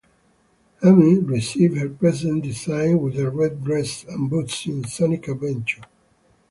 Amy received her present design, with a red dress and boots, in "Sonic Adventure".